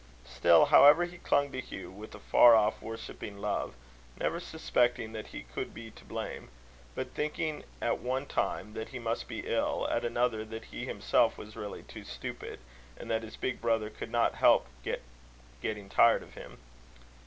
Still, however, he clung to Hugh with a far off, worshipping love, never suspecting that he could be to blame, but thinking at one time that he must be ill, at another that he himself was really too stupid, and that his big brother could not help getting tired of him.